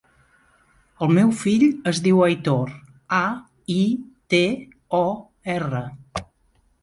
El meu fill es diu Aitor: a, i, te, o, erra.